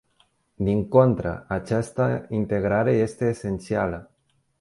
Din contră, această integrare este esențială!